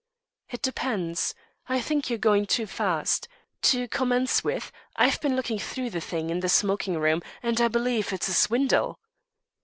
"It depends. I think you're going too fast. To commence with, I've been looking through the thing in the smoking room, and I believe it's a swindle."